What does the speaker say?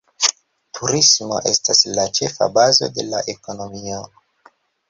Turismo estas la ĉefa bazo de la ekonomio.